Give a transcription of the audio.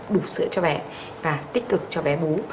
đủ sữa cho bé và tích cực cho bé bú